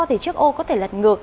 thì chiếc ô có thể lật ngược